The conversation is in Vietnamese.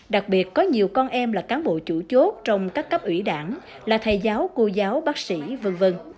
đặc biệt có nhiều con em là cán bộ chủ chốt trong các cấp ủy đảng là thầy giáo cô giáo bác sĩ v v